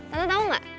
tante tau gak